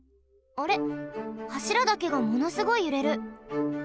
あれはしらだけがものすごいゆれる。